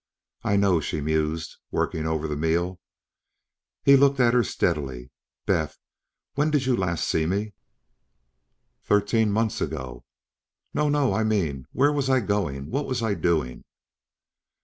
"I know," she mused, working over the meal. He looked at her steadily. "Beth? When did you last see me?" "Thirteen months ago." "No, no. I mean, where was I going, what was I doing?"